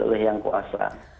oleh yang kuasa